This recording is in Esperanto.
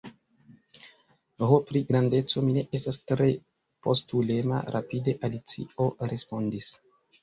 "Ho, pri grandeco, mi ne estas tre postulema," rapide Alicio respondis.